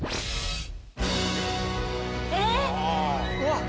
えっ！？